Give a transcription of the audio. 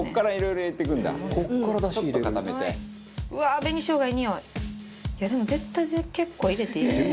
いやでも絶対結構入れて。